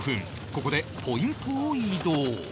ここでポイントを移動